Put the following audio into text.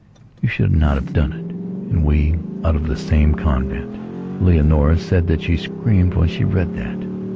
You should not have done it, and we out of the same convent...." Leonora said that she screamed when she read that.